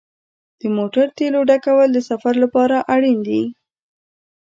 د موټر تیلو ډکول د سفر لپاره اړین دي.